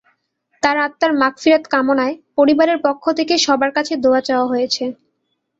তাঁর আত্মার মাগফিরাত কামনায় পরিবারের পক্ষ থেকে সবার কাছে দোয়া চাওয়া হয়েছে।